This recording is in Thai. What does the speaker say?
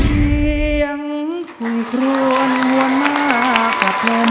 เพียงคุยคลวนหัวหน้ากระเทิม